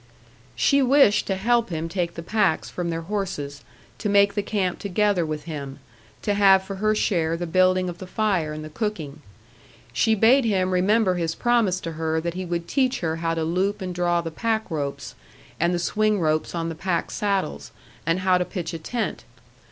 She wished to help him take the packs from their horses, to make the camp together with him, to have for her share the building of the fire, and the cooking. She bade him remember his promise to her that he would teach her how to loop and draw the pack ropes, and the swing ropes on the pack saddles, and how to pitch a tent.